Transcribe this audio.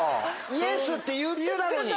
Ｙｅｓって言ってたのに。